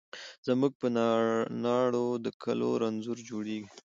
زموږ په ناړو د کلو رنځور جوړیږي